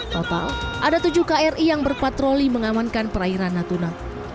total ada tujuh kri yang berpatroli mengamankan perairan natuna